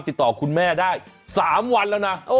ติดต่อคุณแม่ได้๓วันแล้วนะ